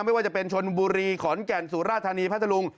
ไม่ว่าจะเป็นชนบุรีขอนแก่นสุราธานีพัทธลุง